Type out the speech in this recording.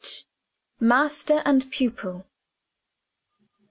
MASTER AND PUPIL.